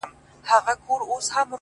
د سترگو سرو لمبو ته دا پتنگ در اچوم،